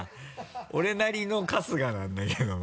俺なりの春日なんだけども。